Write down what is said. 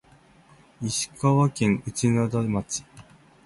石川県内灘町